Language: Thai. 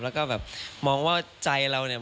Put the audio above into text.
แล้วก็แบบมองว่าใจเราเนี่ย